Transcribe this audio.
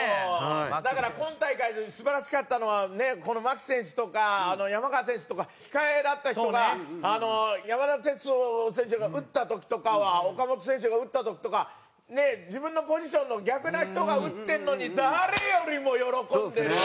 だから今大会で素晴らしかったのはこの牧選手とか山川選手とか控えだった人が山田哲人選手が打った時とかは岡本選手が打った時とか自分のポジションの逆な人が打ってるのに誰よりも喜んでる。